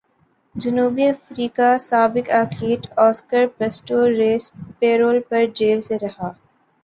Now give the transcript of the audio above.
جنوبی افریقہ سابق ایتھلیٹ اسکر پسٹوریس پیرول پر جیل سے رہا